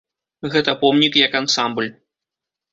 Гэта помнік як ансамбль.